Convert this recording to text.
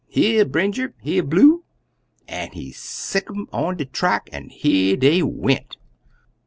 Here, Brinjer! Here, Blue!' an' he sicc'd um on de track, an' here dey went!